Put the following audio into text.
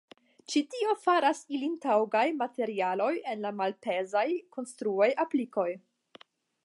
Ĉi tio faras ilin taŭgaj materialoj en malpezaj konstruaj aplikoj.